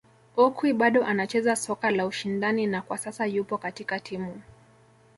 Okwi bado anacheza soka la ushindani na kwa sasa yupo katika timu